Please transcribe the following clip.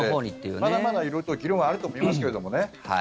まだまだ色々と議論はあると思いますけれどもね。